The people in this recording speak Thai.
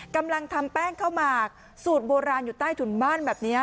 กำลังทำแป้งข้าวหมากสูตรโบราณอยู่ใต้ถุนบ้านแบบนี้